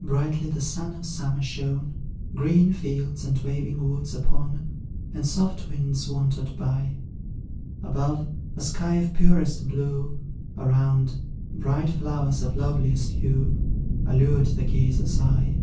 Brightly the sun of summer shone Green fields and waving woods upon, And soft winds wandered by; Above, a sky of purest blue, Around, bright flowers of loveliest hue, Allured the gazer's eye.